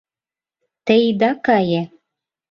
— Те ида кае.